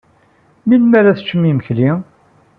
Melmi ara teččem imekli?